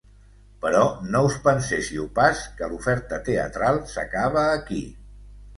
Però no us penséssiu pas que l’oferta teatral s’acaba aquí.